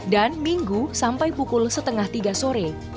dan minggu sampai pukul setengah tiga sore